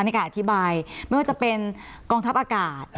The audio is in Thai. ในการอธิบายไม่ว่าจะเป็นกองทัพอากาศ